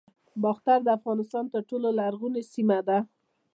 باختر د افغانستان تر ټولو لرغونې سیمه ده